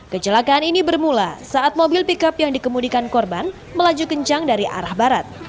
kecelakaan ini bermula saat mobil pickup yang dikemudikan korban melaju kencang dari arah barat